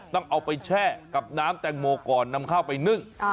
ต้องเอาไปแช่กับน้ำแตงโมก่อนนำข้าวไปนึ่ง